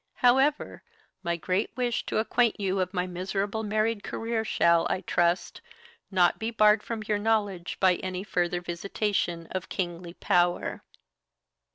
However, my great wish to acquaint you of my miserable married career shall, I trust, not be barred from your knowledge by any further visitation of Kingly Power.